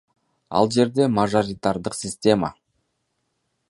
Ал жерде мажоритардык система.